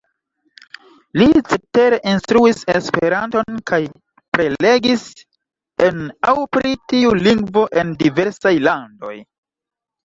Li cetere instruis Esperanton kaj prelegis en aŭ pri tiu lingvo en diversaj landoj.